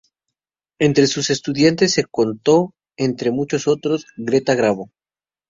Entre sus estudiantes se contó, entre muchos otros, Greta Garbo.